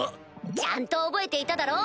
ちゃんと覚えていただろう？